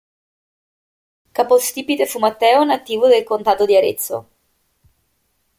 Capostipite fu Matteo, nativo del contado di Arezzo.